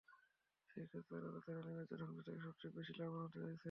সেই ক্ষেত্রে তারা তাদের অনিবার্য ধ্বংস থেকে সবচেয়ে বেশি লাভবান হতে চাইছে।